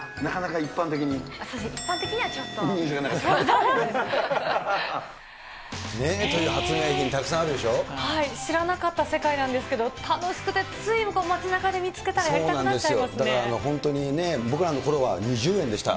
一般的にはちょっと。という発明品、たくさんある知らなかった世界なんですけど、楽しくて、つい、街なかで見つけたらやりたくなっちゃいますだから本当に僕らのころは２０円でした。